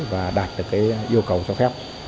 và đạt được yêu cầu cho phép